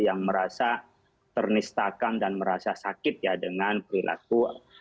yang merasa ternistakan dan merasa sakit ya dengan perilaku